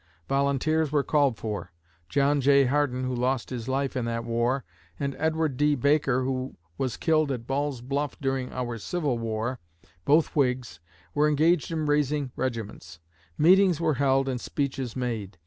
Volunteers were called for. John J. Hardin, who lost his life in that war, and Edward D. Baker, who was killed at Ball's Bluff during our Civil War both Whigs were engaged in raising regiments. Meetings were held and speeches made.